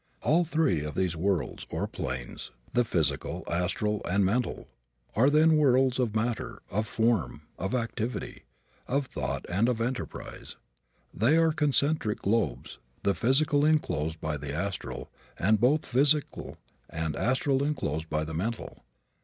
All three of these worlds, or planes the physical, astral and mental are, then, worlds of matter, of form, of activity, of thought and of enterprise. They are concentric globes, the physical enclosed by the astral, and both physical and astral enclosed by the mental.